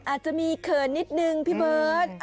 อาจจะมีเขินนิดนึงพี่เบิร์ต